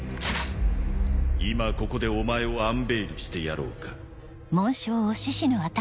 今ここでお前をアンベイルしてやろうか？